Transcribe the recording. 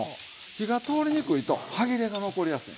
火が通りにくいと歯切れが残りやすい。